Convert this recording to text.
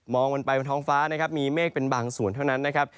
มันไปบนท้องฟ้านะครับมีเมฆเป็นบางส่วนเท่านั้นนะครับ